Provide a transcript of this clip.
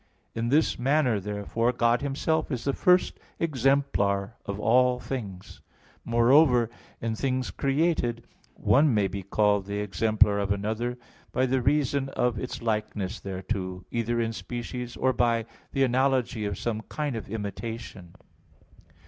In this manner therefore God Himself is the first exemplar of all things. Moreover, in things created one may be called the exemplar of another by the reason of its likeness thereto, either in species, or by the analogy of some kind of imitation.